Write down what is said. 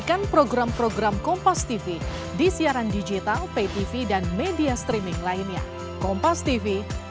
jangan lupa untuk like share and comment serta subscribe channel kompastv